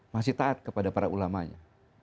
masih taat kepada para ulamanya